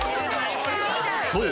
そう！